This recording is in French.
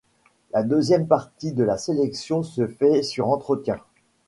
La deuxième partie de la sélection se fait sur entretien.